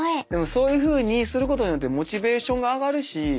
そういうふうにすることによってモチベーションが上がるし。